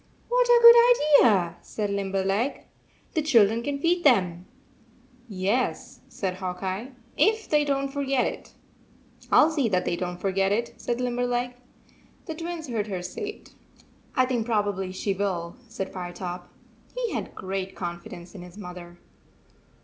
"What a good idea!" said Limberleg. "The children can feed them." "Yes," said Hawk Eye, "if they don t forget it." "I 11 see that they don t forget it," said Limberleg. The Twins heard her say it. " I think probably she will," said Fire top. He had great confidence in his mother.